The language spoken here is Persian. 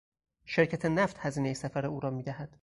شرکت نفت هزینهی سفر او را میدهد.